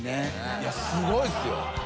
いすごいですよ